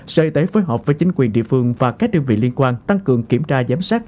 sở y tế phối hợp với chính quyền địa phương và các đơn vị liên quan tăng cường kiểm tra giám sát